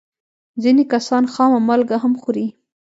ځینې کسان خامه مالګه هم خوري.